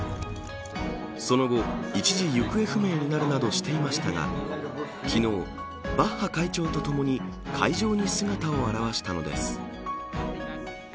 その後、一時行方不明になるなどしていましたがきのう、バッハ会長とともに会場に姿を現したのです。